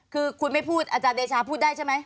คือคุณไม่พูดอาจารย์เดชาพูดได้ใช่ไหม